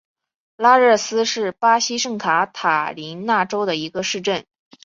拉热斯是巴西圣卡塔琳娜州的一个市镇。